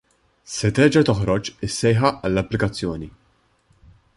Se terġa' toħroġ is-sejħa għall-applikazzjoni.